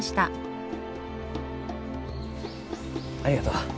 ありがとう。